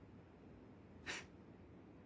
フッ。